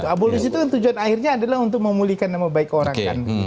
abolisi itu tujuan akhirnya adalah untuk memulihkan nama baik orang kan